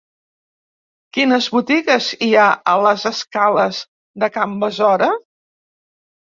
Quines botigues hi ha a les escales de Can Besora?